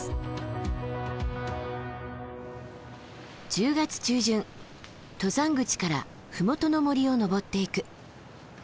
１０月中旬登山口から麓の森を登っていく。